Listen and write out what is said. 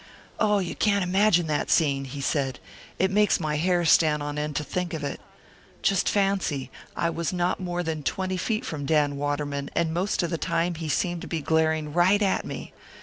"Oh, you can't imagine that scene!" he said. "It makes my hair stand on end to think of it. Just fancy I was not more than twenty feet from Dan Waterman, and most of the time he seemed to be glaring right at me.